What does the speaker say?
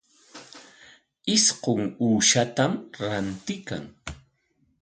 Isqun uushatam rantiykan.